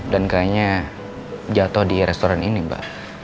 dan kayaknya jatuh di restoran ini mbak